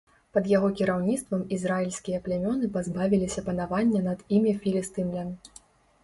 Пад яго кіраўніцтвам ізраільскія плямёны пазбавіліся панавання над імі філістымлян.